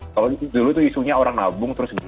kalau dulu itu isunya orang nabung terus